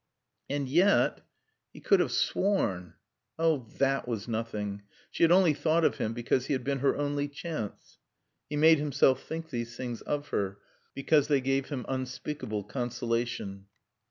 And yet he could have sworn Oh, that was nothing. She had only thought of him because he had been her only chance. He made himself think these things of her because they gave him unspeakable consolation.